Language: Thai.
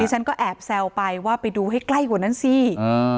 ฉันก็แอบแซวไปว่าไปดูให้ใกล้กว่านั้นสิ